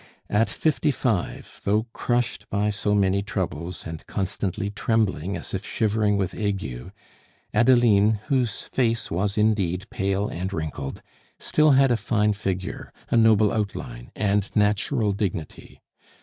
At fifty five, though crushed by so many troubles, and constantly trembling as if shivering with ague, Adeline, whose face was indeed pale and wrinkled, still had a fine figure, a noble outline, and natural dignity.